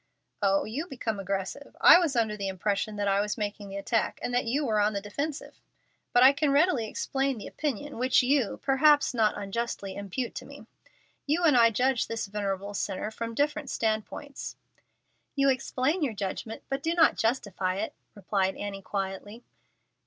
"Oh, you become aggressive. I was under the impression that I was making the attack and that you were on the defensive. But I can readily explain the opinion which you, perhaps not unjustly, impute to me. You and I judge this venerable sinner from different standpoints." "You explain your judgment, but do not justify it," replied Annie, quietly.